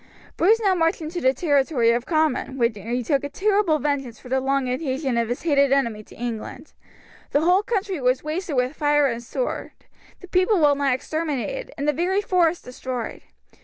Bruce now marched into the territory of Comyn, where he took a terrible vengeance for the long adhesion of his hated enemy to England. The whole country was wasted with fire and sword, the people well nigh exterminated, and the very forests destroyed.